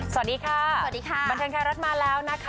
สวัสดีค่ะสวัสดีค่ะบันเทิงไทยรัฐมาแล้วนะคะ